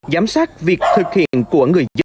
giám sát việc thực hiện của người dân